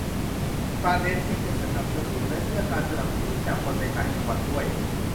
ประเด็นที่จะสนับสนุนและเรียกการสนับสนุนจากคนในต่างจังหวัดด้วย